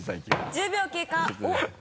１０秒経過おっ。